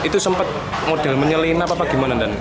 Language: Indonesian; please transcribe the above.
itu sempat model menyelinap apa gimana